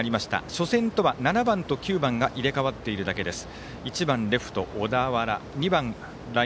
初戦とは７番と９番が入れ代わっているだけです。